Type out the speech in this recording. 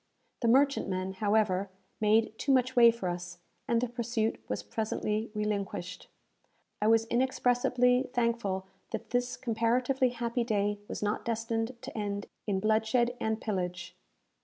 The merchantman, however, made too much way for us, and the pursuit was presently relinquished. I was inexpressibly thankful that this comparatively happy day was not destined to end in bloodshed and pillage.